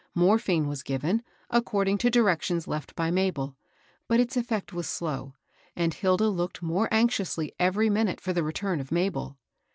Morphine was given, according to directions left by Mabel ; but its effect was slow, and Hilda looked more anx iously every minute for the return of Mabel.